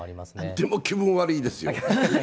でも気分悪いですよ。